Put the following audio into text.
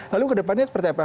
lalu kedepannya seperti apa